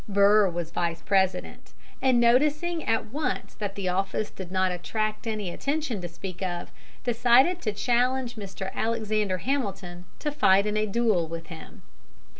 Burr was Vice President, and, noticing at once that the office did not attract any attention to speak of, decided to challenge Mr. Alexander Hamilton to fight a duel with him.